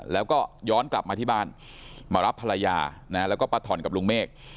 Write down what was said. แล้วก็ย้อนกลับมาที่บ้านมารับภรรยานะแล้วก็ป้าถ่อนกับลุงเมฆ